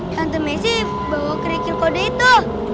tante messy bawa krikil kode itu